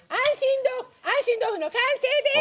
「安心豆腐」の完成です！